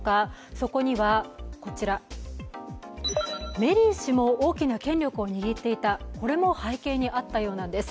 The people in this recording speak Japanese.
そこには、メリー氏も大きな権力を握っていた、これも背景にあったようです。